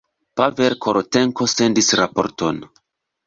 Pavel Korotenko sendis raporton.